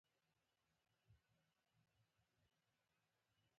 لکه احمد خپله کورنۍ دنده تر سره کړې ده.